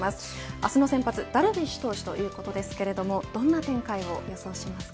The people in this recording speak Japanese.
明日の先発、ダルビッシュ投手ということですがどんな展開を予想しますか。